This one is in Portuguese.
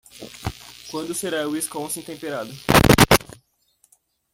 Quando será Wisconsin temperado?